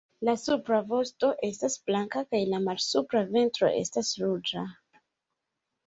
La supra vosto estas blanka kaj la malsupra ventro estas ruĝa.